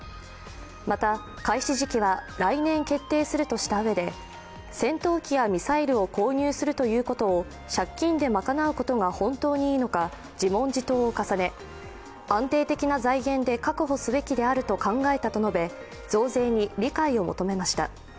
また開始時期は来年決定するとしたうえで、戦闘機やミサイルを購入するということを借金で賄うことが本当にいいのか自問自答を重ね、安定的な財源で確保すべきであると考えたと述べ増税に理解を求めました。